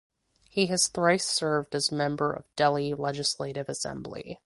He has thrice served as member of Delhi Legislative Assembly.